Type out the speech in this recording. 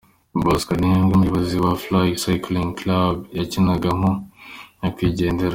Bosco Ntembe Umuyobozi wa Fly Cycling Club yakinagamo Nyagwigendera.